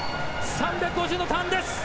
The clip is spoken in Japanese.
３５０のターンです。